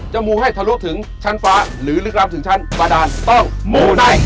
จะมูให้ทะลุถึงชั้นฟ้าหรือลึกลามถึงชั้นประดาษต้องมูได้